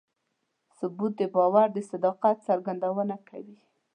ثبوت د باور د صداقت څرګندونه کوي.